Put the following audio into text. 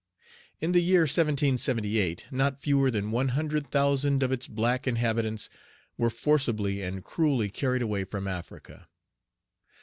In the year 1778, not fewer than one hundred thousand of its black inhabitants were forcibly and cruelly carried away from Africa.